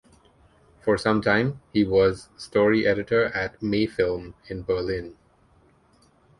For some time, he was story editor at May-Film in Berlin.